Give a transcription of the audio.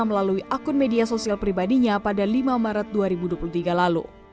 melalui akun media sosial pribadinya pada lima maret dua ribu dua puluh tiga lalu